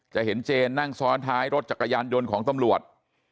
จะเห็นเจนนั่งซ้อนท้ายรถจักรยานยนต์ของตำรวจ